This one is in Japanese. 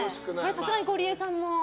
さすがにゴリエさんも。